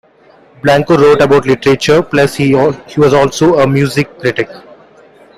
Blanco wrote about literature, plus he was also a music critic.